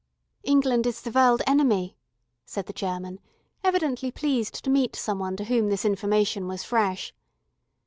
"England is the World Enemy," said the German, evidently pleased to meet someone to whom this information was fresh.